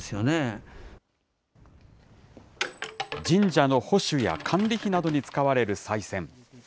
神社の保守や管理費などに使われるさい銭。